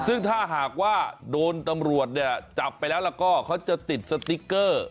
ซึ่งถ้าหากว่าโดนตำรวจเนี่ยจับไปแล้วแล้วก็เขาจะติดสติ๊กเกอร์